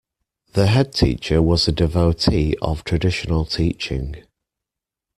The headteacher was a devotee of traditional teaching